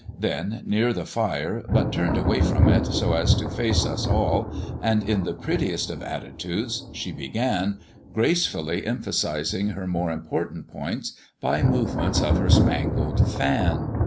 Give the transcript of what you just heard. Then, near the fire, but turned away from it so as to face us all, and in the prettiest of attitudes, she began, gracefully emphasising her more important points by movements of her spangled fan.